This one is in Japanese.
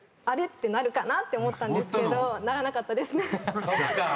ってなるかなって思ったんですけどならなかったですね。